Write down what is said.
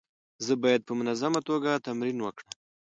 زه باید په منظمه توګه تمرین وکړم.